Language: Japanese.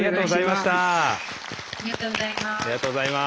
ありがとうございます。